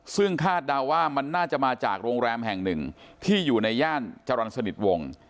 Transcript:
ซึ่งคาดเดาว่ามันน่าจะมาจากโรงแรมแห่งหนึ่งที่อยู่ในย่านจรรย์สนิทวง